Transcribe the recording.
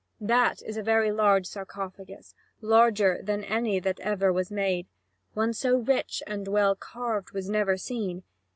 That is a very large sarcophagus, larger than any that ever was made; one so rich and well carved was never seen.